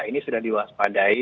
ini sudah diwaspadai